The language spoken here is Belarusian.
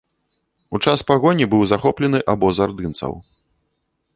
У час пагоні быў захоплены абоз ардынцаў.